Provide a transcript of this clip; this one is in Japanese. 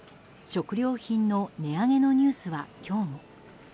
食料品の値上げのニュースは今日も。